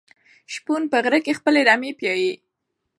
شپون په غره کې خپلې رمې پيايي.